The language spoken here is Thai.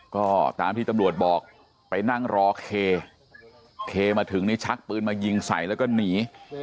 ก็ตามที่ตำรวจบอกไปนั่งรอเคเคมาถึงนี่ชักปืนมายิงใส่แล้วก็หนี